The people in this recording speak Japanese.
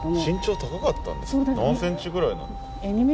何センチぐらいなのかな？